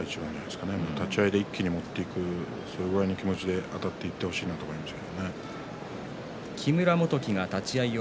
立ち合いで一気に持っていくそのくらいの気持ちであたってほしいです。